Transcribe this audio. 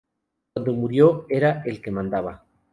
Cuando murió era el que mandaba.